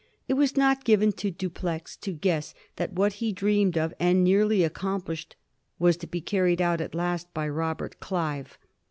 It was not given to Dupleix to guess that what he dreamed of and nearly accomplished was to be carried out at l^t by Robert Clive.